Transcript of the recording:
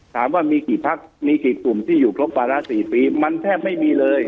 ถามว่ามีกี่พักมีกี่กลุ่มที่อยู่ครบวาระ๔ปีมันแทบไม่มีเลย